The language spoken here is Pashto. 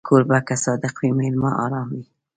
کوربه که صادق وي، مېلمه ارام وي.